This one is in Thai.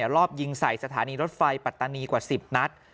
รอบยิงใส่สถานีรถไฟปัตตานีกว่า๑๐นัด